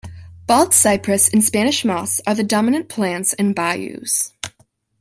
Bald cypress and Spanish moss are the dominant plants in bayous.